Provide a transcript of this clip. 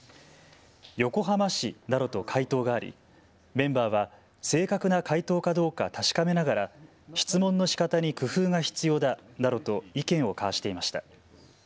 横浜市などと回答がありメンバーは正確な回答かどうか確かめながら質問のしかたに工夫が必要だなどと意見を交わしていました。